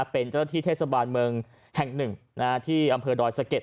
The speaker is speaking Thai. เป็นเจ้าหน้าที่เทศบาลเมืองแห่งหนึ่งที่อำเภอดอยสะเก็ด